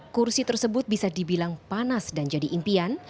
kursi tersebut bisa dibilang panas dan jadi impian